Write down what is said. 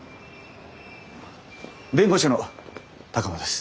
弁護士の鷹野です。